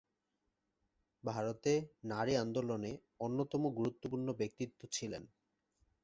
ভারতে নারী আন্দোলনে অন্যতম গুরুত্বপূর্ণ ব্যক্তিত্ব ছিলেন।